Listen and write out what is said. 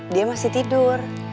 dia masih tidur